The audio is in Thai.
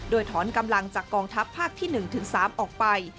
โดยถอนกำลังจากกองทัพภาคที่๑๓ออกไป